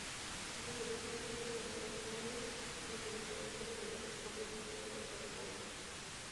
Los elefantes tienen orejas grandes, lo que les permite regular su propia temperatura corporal.